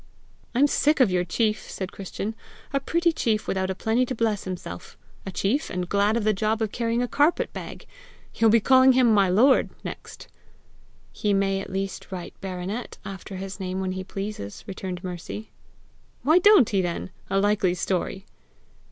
"I'm sick of your chief!" said Christian. "A pretty chief without a penny to bless himself! A chief, and glad of the job of carrying a carpet bag! You'll be calling him MY LORD, next!" "He may at least write BARONET after his name when he pleases," returned Mercy. "Why don't he then? A likely story!"